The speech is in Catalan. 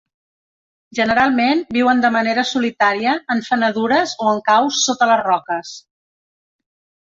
Generalment viuen de manera solitària en fenedures o en caus sota les roques.